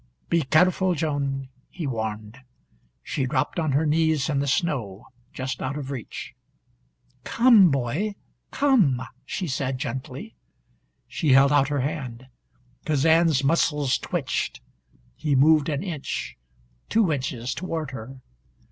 "Be careful, Joan," he warned. She dropped on her knees in the snow, just out of reach. "Come, boy come!" she said gently. She held out her hand. Kazan's muscles twitched. He moved an inch two inches toward her.